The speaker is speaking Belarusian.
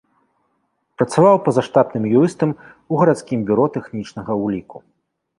Працаваў пазаштатным юрыстам у гарадскім бюро тэхнічнага ўліку.